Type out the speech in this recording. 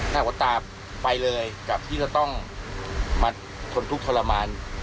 หน้าหัวตาไปเลยกับที่จะต้องมาทนทุกข์ทรมาน